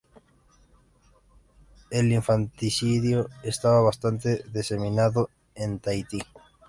El infanticidio estaba bastante diseminado en Tahití.